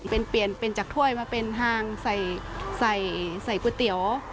เป็นเปลี่ยนเป็นจากถ้วยมาเป็นทางใส่ก๋วยเตี๋ยว